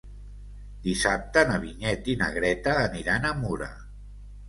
Dissabte na Vinyet i na Greta aniran a Mura.